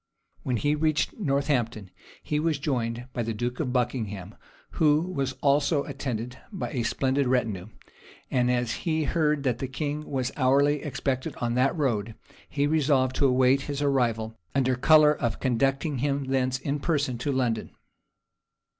When he reached Northampton, he was joined by the duke of Buckingham, who was also attended by a splendid retinue; and as he heard that the king was hourly expected on that road, he resolved to await his arrival, under color of conducting him thence in person to London.